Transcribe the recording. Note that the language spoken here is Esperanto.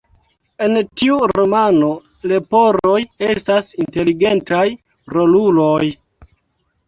En tiu romano, leporoj estas inteligentaj roluloj.